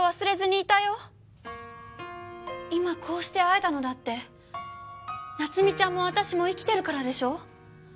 今こうして会えたのだって菜津美ちゃんも私も生きてるからでしょ？